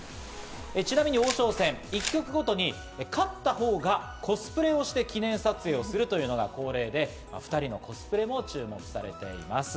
ちなみに王将戦、１局ごとに勝った方がコスプレをして記念撮影をするというのが恒例で、２人のコスプレも注目されています。